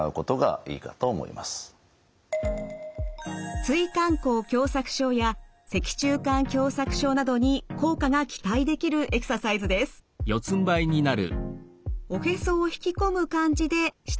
椎間孔狭窄症や脊柱管狭窄症などに効果が期待できるエクササイズです。